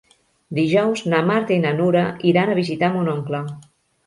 Dijous na Marta i na Nura iran a visitar mon oncle.